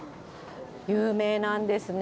有名なんですね。